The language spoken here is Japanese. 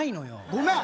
ごめん！